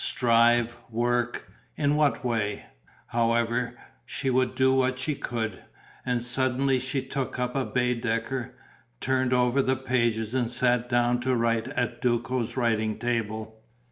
Strive? Work? In what way? However, she would do what she could. And suddenly she took up a Baedeker, turned over the pages and sat down to write at Duco's writing table.